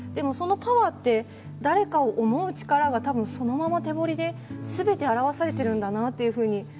そのパワーって誰かを想う力がそのまま手彫りで全て表されているんだなと。